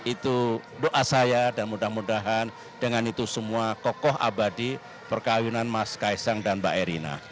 itu doa saya dan mudah mudahan dengan itu semua kokoh abadi perkawinan mas kaisang dan mbak erina